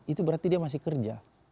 itu berarti dia masih kerja